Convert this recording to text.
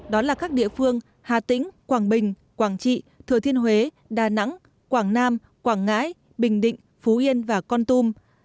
đó là các địa phương hà tĩnh quảng bình quảng trị thừa thiên huế đà nẵng quảng nam quảng ngãi bình định phú yên và con tum